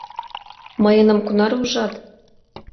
Мыйыным кунаре ужат?